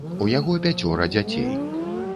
У яго пяцёра дзяцей.